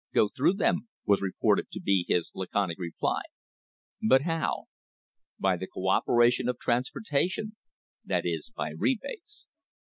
"Go through them," was reported to be his laconic reply. "But how?" "By the co operation of transporta tion" — that is, by rebates.